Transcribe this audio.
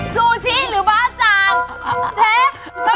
ซูชิหรือบ้าจ่างเชฟ